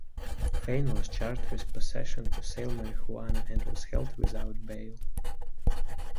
Fain was charged with possession to sale marijuana and was held without bail.